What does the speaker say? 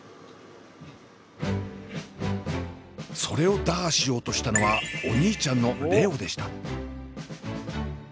それを打破しようとしたのはお兄ちゃんの蓮音でした。